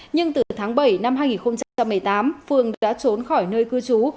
nhưng từ tháng bảy năm hai nghìn một mươi tám phương đã trốn khỏi nơi cư trú